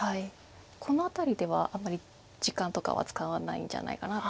この辺りではあんまり時間とかは使わないんじゃないかなと思います。